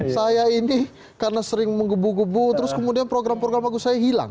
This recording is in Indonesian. saya ini karena sering menggebu gebu terus kemudian program program lagu saya hilang